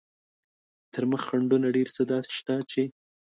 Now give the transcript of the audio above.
تر مخ خنډونه ډېر څه داسې شته چې.